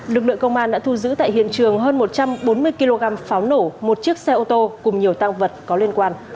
lực lượng công an đã thu giữ tại hiện trường hơn một trăm bốn mươi kg pháo nổ một chiếc xe ô tô cùng nhiều tăng vật có liên quan